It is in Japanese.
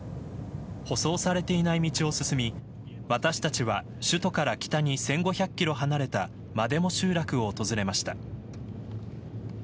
舗装されていない道を進み私たちは首都から北２５００キロ離れたマデモ集落を訪れました。